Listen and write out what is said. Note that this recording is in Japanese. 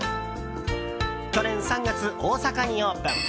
去年３月、大阪にオープン。